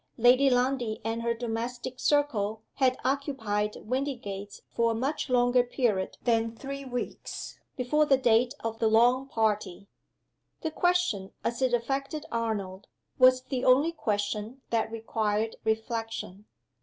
Lady Lundie and her domestic circle had occupied Windygates for a much longer period than three weeks before the date of the lawn party. The question, as it affected Arnold, was the only question that required reflection.